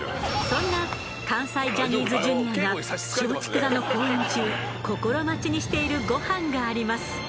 そんな関西ジャニーズＪｒ．が松竹座の公演中心待ちにしているゴハンがあります。